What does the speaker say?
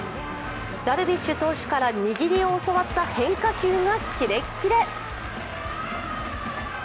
ダルビッシュ投手から握りを教わった変化球がキレッキレ。